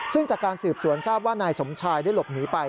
ซึ่งจากการสืบสวนทราบว่านายสมชายได้หลบหนีไป